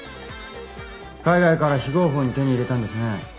海外から非合法に手に入れたんですね。